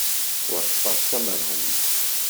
Ttwaṭṭfeɣ d tamerhunt.